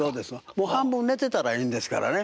もう半分寝てたらいいんですからね。